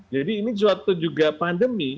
jadi ini suatu juga pandemi